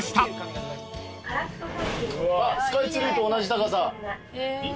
スカイツリーと同じ高さ。